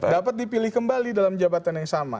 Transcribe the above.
dapat dipilih kembali dalam jabatan yang sama